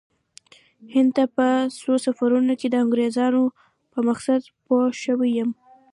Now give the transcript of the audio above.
هند ته په څو سفرونو کې د انګریزانو په مقصد پوه شوی یم.